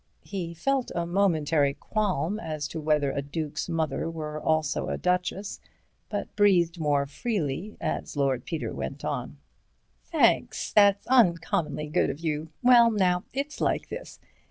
He felt a momentary qualm as to whether a duke's mother were also a duchess, but breathed more freely as Lord Peter went on: "Thanks—that's uncommonly good of you. Well, now, it's like this.